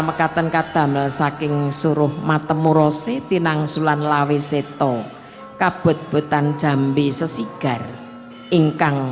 mekatan kadamel saking suruh matemu rose tinang sulan lawe seto kabut butan jambi sesigar ingkang